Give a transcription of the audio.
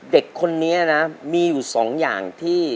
เด็กคนนี้นะมีอยู่สองอย่างที่